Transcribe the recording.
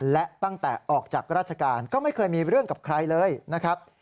และตั้งแต่ออกจากราชการก็ไม่เคยมีเรื่องกับใครเลยนะครับ